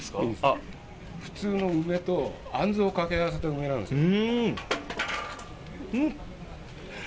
普通の梅とあんずをかけ合わせた梅なんですよ。